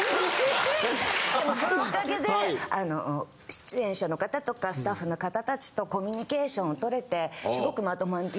でもそのおかげで出演者の方とかスタッフの方たちとコミュニケーションを取れてすごくまとまりのある。